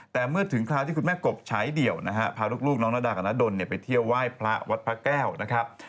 แต่เมื่อถึงคราวที่คุณแม่กบใช้เดี่ยวนะฮะพาลูกน้องนาดากับนดลไปเที่ยวไหว้พระวัดพระแก้วนะครับ